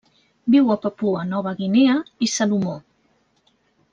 Viu a Papua Nova Guinea i Salomó.